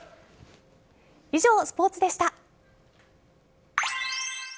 以上、スポーツでした。